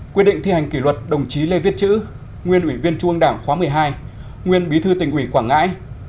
quyết định thi hành kỷ luật đồng chí lê viết chữ nguyên ủy viên trung ương đảng khóa một mươi hai nguyên bí thư tỉnh ủy quảng ngãi